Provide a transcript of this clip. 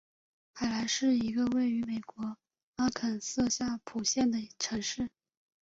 海兰是一个位于美国阿肯色州夏普县的城市。